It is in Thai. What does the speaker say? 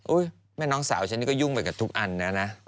แม่น้องสาวฉันนี่ก็ยุ่งไปกับทุกอันนะนะ